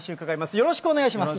よろしくお願いします。